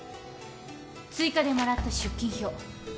追加でもらった出勤表。